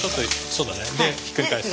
そうだねでひっくり返す。